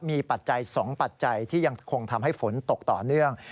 มีปัจจัย๒ปัจจัยที่ยังคงทำให้ฝนตกต่อเนื่อง